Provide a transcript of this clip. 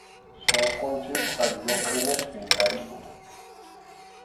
Sunqunchikqa lluqʼiniqpim tarikun.